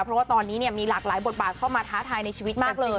เพราะว่าตอนนี้มีหลากหลายบทบาทเข้ามาท้าทายในชีวิตมากเลย